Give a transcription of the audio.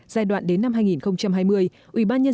giai đoạn đến năm hai nghìn hai mươi